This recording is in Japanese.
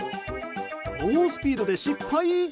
猛スピードで失敗。